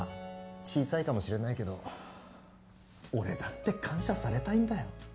小さいかもしれないけど俺だって感謝されたいんだよ。